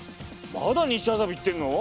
まだ西麻布行ってるの？